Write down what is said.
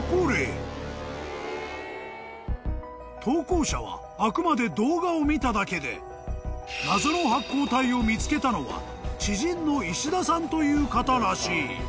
［投稿者はあくまで動画を見ただけで謎の発光体を見つけたのは知人の石田さんという方らしい］